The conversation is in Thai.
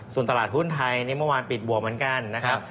ส่วนตลาดหุ้นไทยนี่เมื่อวานปิดบวกเหมือนกันนะครับ